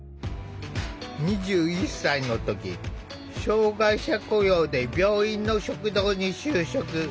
２１歳の時障害者雇用で病院の食堂に就職。